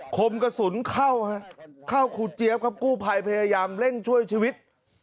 คมกระสุนเข้าฮะเข้าครูเจี๊ยบครับกู้ภัยพยายามเร่งช่วยชีวิต